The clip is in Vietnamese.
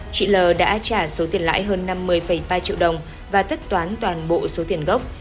chị l đã trả số tiền lãi hơn năm mươi ba triệu đồng và tất toán toàn bộ số tiền gốc